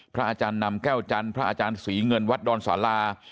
พระอาจารย์นำแก้วจันทร์พระอาจารย์ศรีเงินวัดดอนสารา